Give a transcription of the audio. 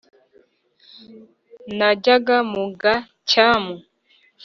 najyaga mu gacyamu